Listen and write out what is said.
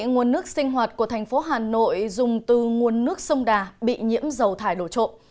nguồn nước sinh hoạt của thành phố hà nội dùng từ nguồn nước sông đà bị nhiễm dầu thải đổ trộm